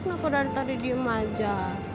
kenapa dari tadi diem aja